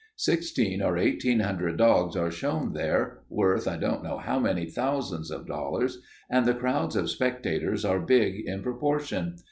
Sixteen or eighteen hundred dogs are shown there, worth I don't know how many thousands of dollars, and the crowds of spectators are big in proportion.